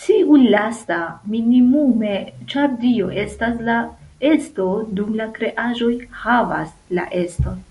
Tiu lasta, minimume, ĉar Dio estas la Esto dum la kreaĵoj "havas" la eston.